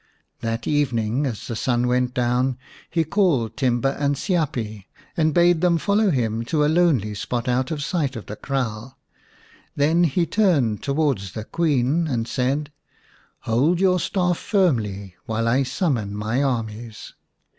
That evening, as the sun went down, he called Timba and Siapi, and bade them follow him to a lonely spot out of sight of the kraal. Then he turned towards the Queen and said, " Hold your staff firmly while I summon my armies."